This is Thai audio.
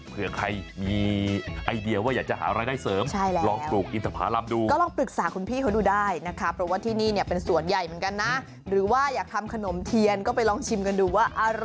เพื่อใครมีไอเดียว่าอยากจะหาอะไรได้เสริมใช่แล้ว